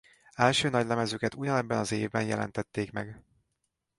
Első nagylemezüket ugyanebben az évben jelentették meg.